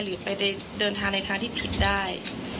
หรือไปเดินทางในทางที่ผิดได้